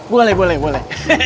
boleh boleh boleh